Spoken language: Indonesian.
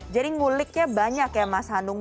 jadi nguliknya banyak ya mas handung